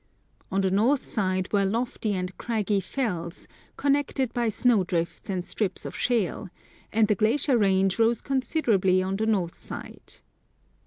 On the north side were lofty and craggy fells, connected by snowdrifts and strips of shale ; and the glacier range rose considerably on the north side.